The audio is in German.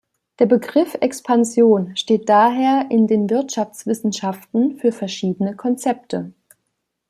Der Begriff Expansion steht daher in den Wirtschaftswissenschaften für verschiedene Konzepte.